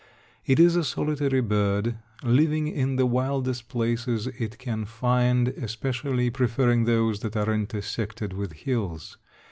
It is a solitary bird, living in the wildest places it can find, especially preferring those that are intersected with hills.